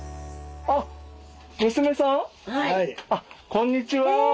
こんにちは。